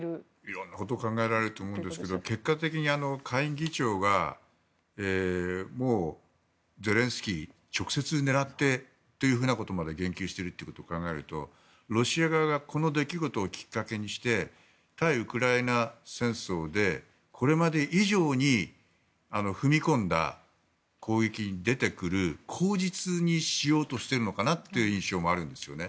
色んなことが考えられると思うんですが結果的に下院議長がもうゼレンスキーが直接狙ってということまで言及しているということを考えるとロシア側がこの出来事をきっかけにして対ウクライナ戦争でこれまで以上に踏み込んだ攻撃に出てくる口実にしようとしているのかなという印象もあるんですよね。